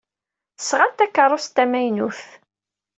Tesɣa-d takeṛṛust tamaynut.